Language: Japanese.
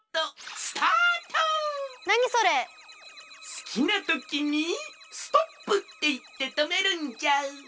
すきなときに「ストップ」っていってとめるんじゃ。